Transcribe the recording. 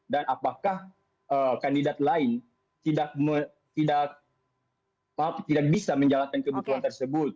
dan apakah kandidat lain tidak bisa menjalankan kebutuhan tersebut